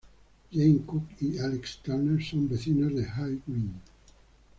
Jamie Cook y Alex Turner son vecinos en High Green.